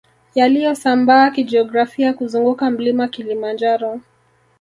Yaliyosambaa kijiografia kuzunguka mlima Kilimanjaro